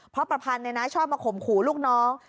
เพราะประพันธ์ชอบมาข่มขู่ลูกน้อง